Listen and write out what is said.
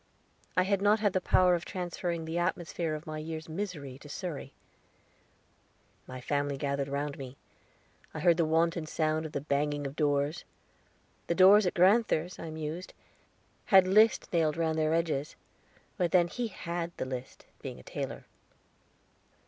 I had not had the power of transferring the atmosphere of my year's misery to Surrey. The family gathered round me. I heard the wonted sound of the banging of doors. "The doors at grand'ther's," I mused, "had list nailed round their edges; but then he had the list, being a tailor."